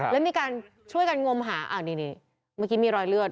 แล้วมีการช่วยกันงวมหาอะนี่บางทีมีรอยเลือด